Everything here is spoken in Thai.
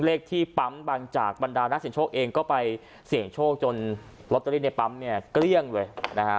เลขที่ปั๊มบางจากบรรดานักเสียงโชคเองก็ไปเสี่ยงโชคจนลอตเตอรี่ในปั๊มเนี่ยเกลี้ยงเลยนะฮะ